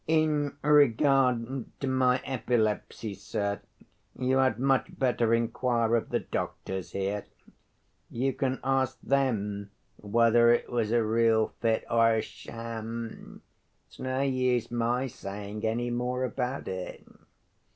"In regard to my epilepsy, sir, you had much better inquire of the doctors here. You can ask them whether it was a real fit or a sham; it's no use my saying any more about it."